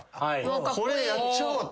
これやっちゃおうって。